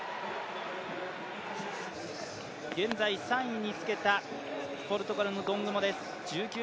現在、３位につけたポルトガルのドングモです。